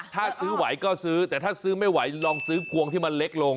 ถ้าซื้อไหวก็ซื้อแต่ถ้าซื้อไม่ไหวลองซื้อพวงที่มันเล็กลง